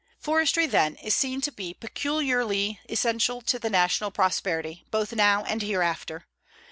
Forestry, then, is seen to be peculiarly essential to the national prosperity, both now and hereafter.